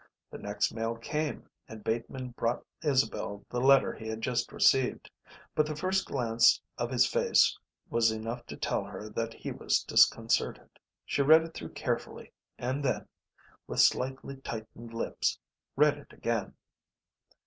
The next mail came, and Bateman brought Isabel the letter he had just received; but the first glance of his face was enough to tell her that he was disconcerted. She read it through carefully and then, with slightly tightened lips, read it again.